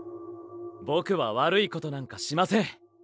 ぼくは悪いことなんかしません！